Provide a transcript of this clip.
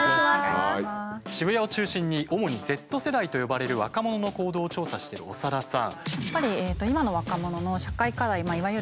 渋谷を中心に主にＺ世代と呼ばれる若者の行動を調査してる長田さん。